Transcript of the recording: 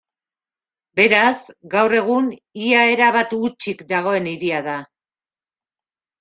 Beraz, gaur egun ia erabat hutsik dagoen hiria da.